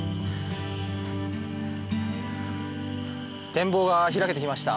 展望が開けてきました。